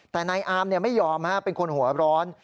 แต่นายอาร์มไม่ยอมเป็นคนหัวร้อน